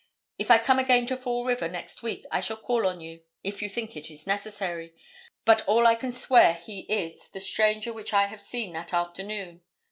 If I come again to Fall River next week I shall call on you, if you think it is necessary, but all I can swear he is the stranger which I have seen that afternoon.